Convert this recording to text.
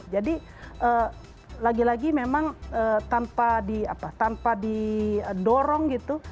jadi lagi lagi memang tanpa didorong gitu